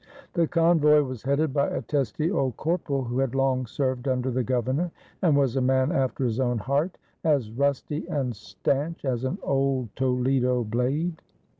The convoy was headed by a testy old corporal, who had long served under the gov ernor, and was a man after his own heart; as rusty and stanch as an old Toledo blade.